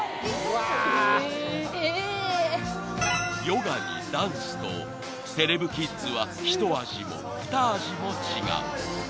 ［ヨガにダンスとセレブキッズは一味も二味も違う］